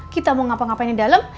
kita mau ngapa ngapain dalam